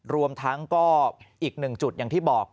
รวมทั้งก็อีกหนึ่งจุดอย่างที่บอก